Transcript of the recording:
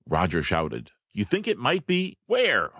Roger shouted. "You think it might be " "Where?"